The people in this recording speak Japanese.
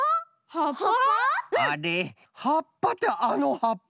はっぱってあのはっぱ？